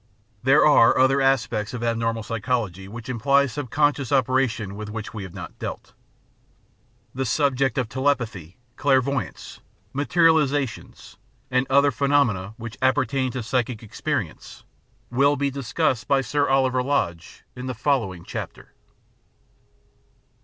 There are other aspects of abnormal psychology which imply subconscious operations with which we have not dealt. The sub ject of telepathy, clairvoyance, materialisations, and other phe nomena which appertain to psychic experience will be discussed by Sir Oliver Lodge in the following chapter.